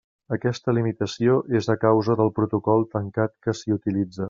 Aquesta limitació és a causa del protocol tancat que s'hi utilitza.